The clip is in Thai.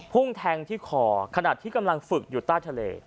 แทงที่คอขณะที่กำลังฝึกอยู่ใต้ทะเล